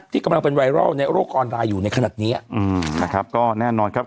กำลังเป็นไวรัลในโลกออนไลน์อยู่ในขณะนี้อืมนะครับก็แน่นอนครับ